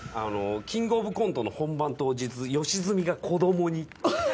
キングオブコントの本番当日吉住が子どもに。